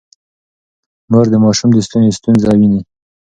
مور د ماشوم د ستوني ستونزه ويني.